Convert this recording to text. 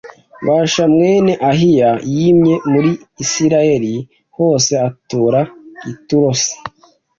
Bāsha mwene Ahiya yimye muri Isirayeli hose atura i Tirusa